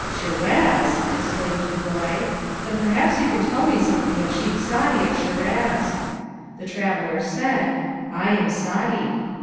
^' Schi raz!" exclaimed the boy, 'Hhen perhaps you can tell me something of Sheik Saadi of Schiraz." The traveller said, ^' I am Saadi."